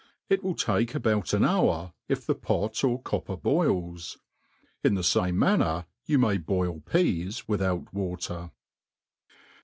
It will take about an hour, if the pot or copper boils. In the fame manner you may boil peas without water.